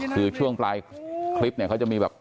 คือช่วงปลายคลิปเนี่ยเขาจะมีแบบ